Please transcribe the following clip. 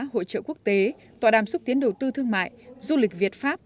hội trợ quốc tế tọa đàm xúc tiến đầu tư thương mại du lịch việt pháp